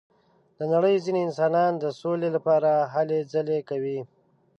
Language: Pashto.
د نړۍ ځینې انسانان د سولې لپاره هلې ځلې کوي.